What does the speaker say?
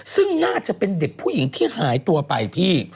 ซึ่งน่าจะเป็นเด็กผู้หญิงที่หายตัวไปพี่